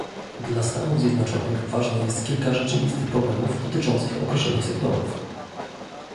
Dla Stanów Zjednoczonych ważne jest kilka rzeczywistych problemów dotyczących określonych sektorów